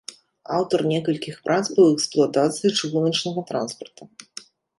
Аўтар некалькіх прац па эксплуатацыі чыгуначнага транспарта.